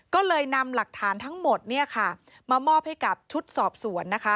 ก็เลยนำหลักฐานทั้งหมดมามอบให้กับชุดสอบสวนนะคะ